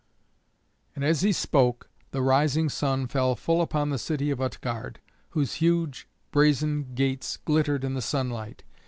And as he spoke the rising sun fell full upon the city of Utgard, whose huge brazen gates glittered in the sunlight.